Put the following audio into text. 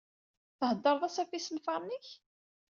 Thedreḍ-as ɣef yisenfaṛen-ik?